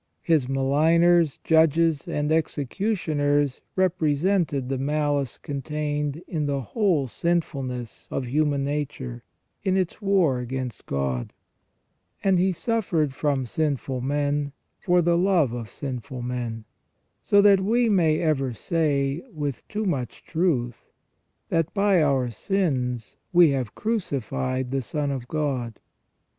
His maligners, judges, and executioners represented the malice contained in the whole sinfulness of human nature, in its war against God ; and He suffered from sinful men for the love of sinful men ; so that we may ever say, with too much truth, that by our sins we have crucified the Son of God.